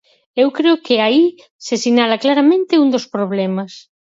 Eu creo que aí se sinala claramente un dos problemas.